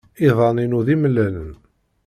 Iḍan-inu d imellalen.